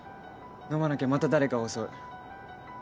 飲まなきゃまた誰かを襲う。